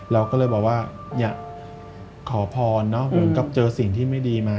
เราก็เลยบอกว่าอยากขอพรเหมือนกับเจอสิ่งที่ไม่ดีมา